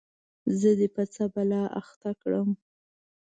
زه دي په څه بلا اخته کړم ؟